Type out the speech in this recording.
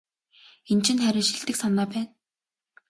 Энэ чинь харин шилдэг санаа байна.